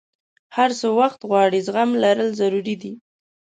هر څه وخت غواړي، زغم لرل ضروري دي.